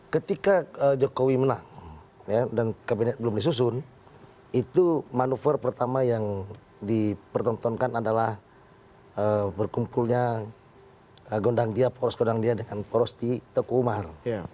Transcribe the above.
ketika jokowi menang dan kabinet belum disusun itu manuver pertama yang dipertontonkan adalah berkumpulnya gondang dia poros gondang dia dengan poros di teguh umar